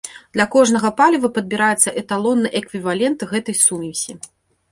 Для кожнага паліва падбіраецца эталонны эквівалент гэтай сумесі.